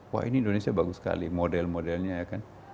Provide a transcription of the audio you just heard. wah ini indonesia bagus sekali model modelnya ya kan